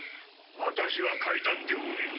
私は階段で下りる。